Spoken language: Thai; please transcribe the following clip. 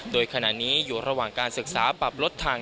โดยขณะนี้อยู่ระหว่างการศึกษาปรับลดทาง